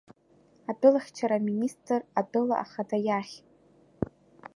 Атәылахьчара аминистр атәыла ахада иахь.